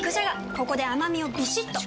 ここで甘みをビシッと！